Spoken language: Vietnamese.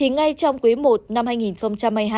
ngay trong quý i năm hai nghìn hai mươi hai